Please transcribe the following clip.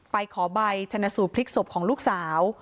ขอใบชนสูตรพลิกศพของลูกสาว